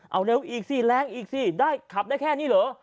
เอาเร็วอีกสิแรงอีกสิได้ขับได้แค่นี้เหรอ